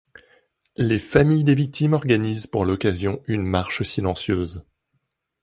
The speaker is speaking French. Les familles des victimes organisent pour l'occasion une marche silencieuse.